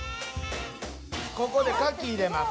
ここでカキ入れます。